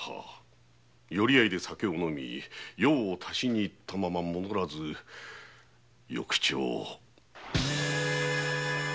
寄り合いで酒を飲み用を足しに行ったまま戻らず翌朝。